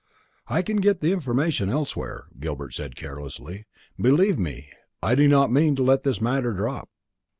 "I can get the information elsewhere," Gilbert said carelessly. "Believe me, I do not mean to let this matter drop."